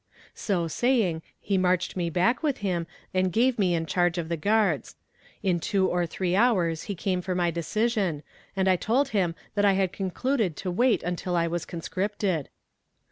So saying, he marched me back with him, and gave me in charge of the guards. In two or three hours he came for my decision, and I told him that I had concluded to wait until I was conscripted.